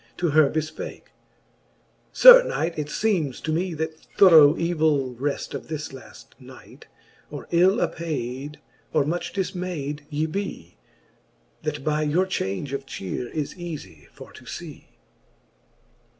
To her befpake ; Sir knight, it feemes to me, That thorough evill reft of this laft night, Or ill apayd, or much difmayd ye be, That by your change of cheare is eafie for to ice.